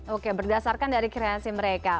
oke berdasarkan dari kreasi mereka